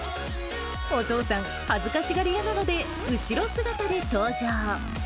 お父さん、恥ずかしがり屋なので、後ろ姿で登場。